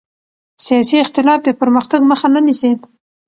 سیاسي اختلاف د پرمختګ مخه نه نیسي